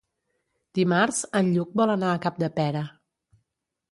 Dimarts en Lluc vol anar a Capdepera.